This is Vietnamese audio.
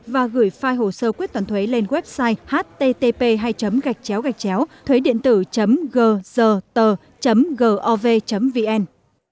và gửi file hồ sơ quyết toán thuế lên website http thuế điện tử gzt gov vn